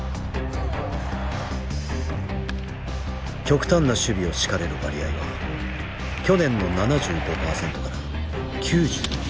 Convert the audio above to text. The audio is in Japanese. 極端な守備を敷かれる割合は去年の７５％から９１％に上昇。